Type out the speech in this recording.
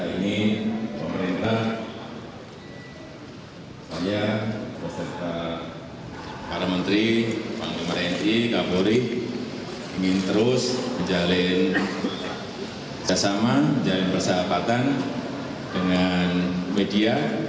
ingin terus menjalin bersama menjalin persahabatan dengan media